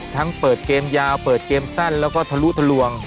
เปิดเกมยาวเปิดเกมสั้นแล้วก็ทะลุทะลวง